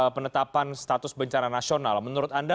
penetapan status bencana nasional menurut anda